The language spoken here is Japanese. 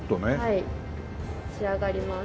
はい仕上がります。